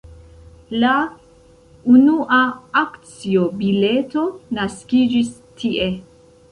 La unua akcio-bileto naskiĝis tie.